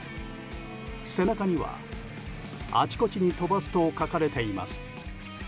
背中には「あちこちに飛ばす」と書かれています。